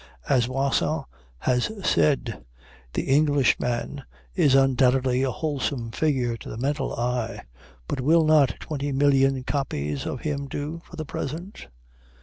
As Wasson has said, "The Englishman is undoubtedly a wholesome figure to the mental eye; but will not twenty million copies of him do, for the present?"